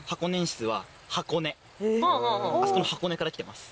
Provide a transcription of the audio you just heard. あそこの箱根から来てます。